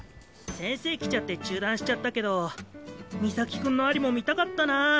先生来ちゃって中断しちゃったけど海咲君のアリも見たかったな。